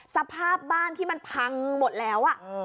สภาพบ้านที่มันพังหมดแล้ว